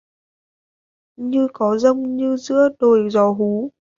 Như có giông như giữa đồi gió hú